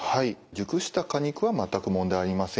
熟した果肉は全く問題ありません。